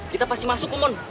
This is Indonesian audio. kita pasti masuk mon